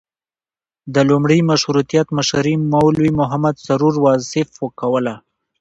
د لومړي مشروطیت مشري مولوي محمد سرور واصف کوله.